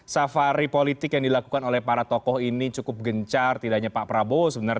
safari politik yang dilakukan oleh para tokoh ini cukup gencar tidak hanya pak prabowo sebenarnya